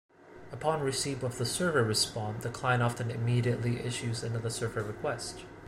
Upon receipt of the server response, the client often immediately issues another server request.